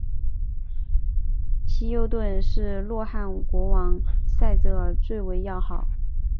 希优顿是洛汗国王塞哲尔最为要好。